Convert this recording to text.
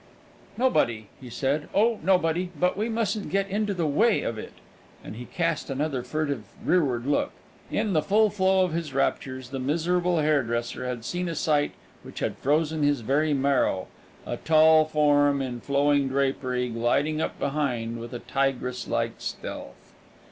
"Nobody," he said; "oh, nobody! but we mustn't get into the way of it;" and he cast another furtive rearward look. In the full flow of his raptures the miserable hairdresser had seen a sight which had frozen his very marrow a tall form, in flowing drapery, gliding up behind with a tigress like stealth.